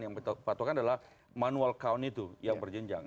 yang patokan adalah manual count itu yang berjenjang